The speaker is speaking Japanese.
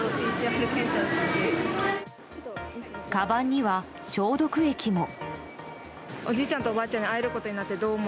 かばんには消毒液も。